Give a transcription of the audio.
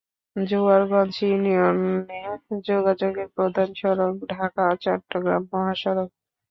জোরারগঞ্জ ইউনিয়নে যোগাযোগের প্রধান সড়ক ঢাকা-চট্টগ্রাম মহাসড়ক।